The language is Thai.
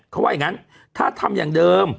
เขาว่าอย่างนั้นถ้าทำอย่างเดิม